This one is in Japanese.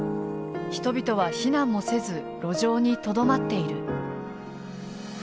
人々は避難もせず路上にとどまっている。